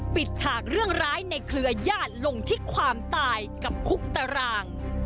ฉากเรื่องร้ายในเครือญาติลงที่ความตายกับคุกตาราง